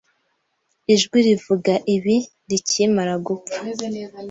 Ijwi rivuga ibi rikimara gupfa